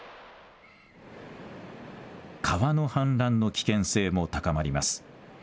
川の氾濫の危険性も高まります。